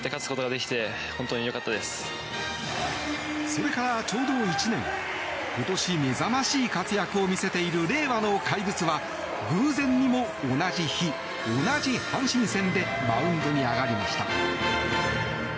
それからちょうど１年今年目覚ましい活躍を見せている令和の怪物は偶然にも同じ日、同じ阪神戦でマウンドに上がりました。